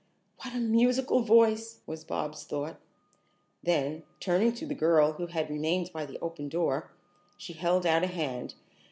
"What a musical voice!" was Bobs' thought. Then, turning to the girl who had remained by the open door, she held out a hand.